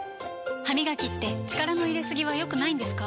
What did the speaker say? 歯みがきって力の入れすぎは良くないんですか？